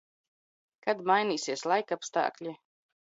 Kad mainīsies laikapstākļi?